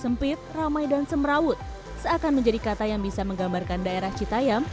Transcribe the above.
sempit ramai dan semrawut seakan menjadi kata yang bisa menggambarkan daerah citayam